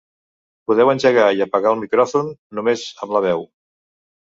Podeu engegar i apagar el micròfon només amb la veu.